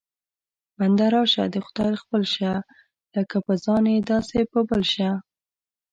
بنده راشه د خدای خپل شه، لکه په ځان یې داسې په بل شه